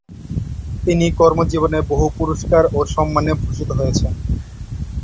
তিনি কর্মজীবনে বহু পুরস্কার ও সম্মানে ভূষিত হয়েছেন।